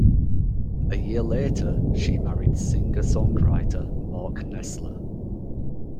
A year later, she married singer-songwriter Mark Nesler.